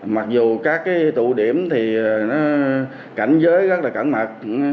mặc dù các tụ điểm thì cảnh giới rất là cẩn mật